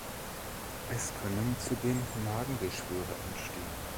Es können zudem Magengeschwüre entstehen.